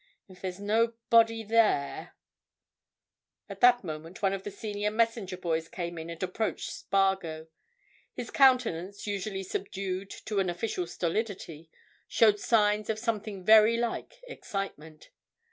If there's no body there——" At that moment one of the senior messenger boys came in and approached Spargo. His countenance, usually subdued to an official stolidity, showed signs of something very like excitement.